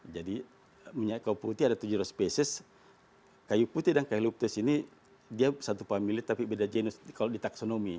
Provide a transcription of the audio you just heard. jadi minyak kayu putih ada tujuh ratus spesies kayu putih dan eucalyptus ini dia satu family tapi beda jenis kalau di taksonomi